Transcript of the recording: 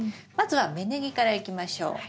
まずは芽ネギからいきましょう。